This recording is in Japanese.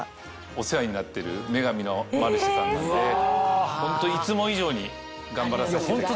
お世話になってる『女神のマルシェ』さんなんでホントいつも以上に頑張らせて。